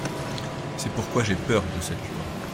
C’est pourquoi j’ai peur de cette loi.